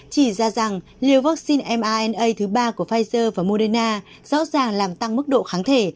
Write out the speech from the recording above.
chỉ ra rằng liều vaccine mana thứ ba của pfizer và moderna rõ ràng làm tăng mức độ kháng thể